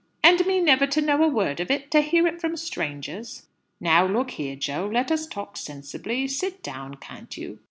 "And me never to know a word of it! To hear it from strangers!" "Now look here, Jo; let us talk sensibly. Sit down, can't you?"